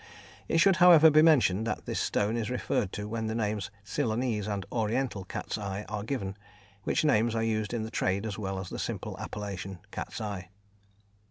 It should, however, be mentioned that this stone is referred to when the names Ceylonese and Oriental cat's eye are given, which names are used in the trade as well as the simple appellation, "cat's eye."